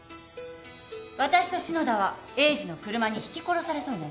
私と篠田は栄治の車にひき殺されそうになりました。